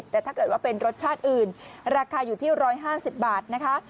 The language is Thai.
แต่ถ้าเกิดว่าเป็นรสชาติอื่นราคาอยู่ที่๑๕๐บาทนะคะ